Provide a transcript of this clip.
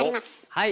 はい！